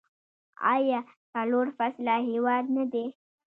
آیا څلور فصله هیواد نه دی؟